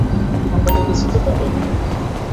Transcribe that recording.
ঠাণ্ডা লেগে যেতে পারে।